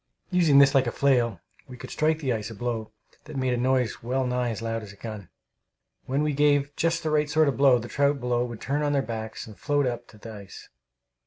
Using this like a flail, we could strike the ice a blow that made a noise well nigh as loud as a gun. When we gave just the right sort of blow, the trout below would turn on their backs and float up to the ice.